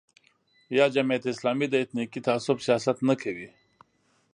یا جمعیت اسلامي د اتنیکي تعصب سیاست نه کوي.